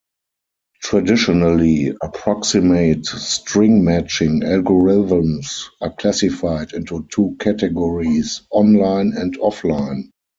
Traditionally, approximate string matching algorithms are classified into two categories: on-line and off-line.